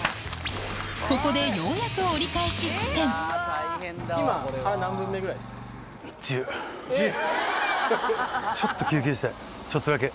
ここでようやく折り返し地点ちょっとだけ。